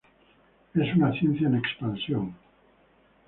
Es una ciencia en expansión.